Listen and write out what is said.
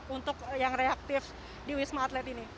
untuk yang reaktif di wisma atlet ini